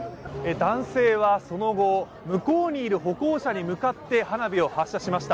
男性はその後、向こうにいる歩行者に向かって花火を発射しました。